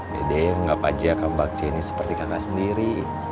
dede yang ngapa ngapanya akan bakci ini seperti kakak sendiri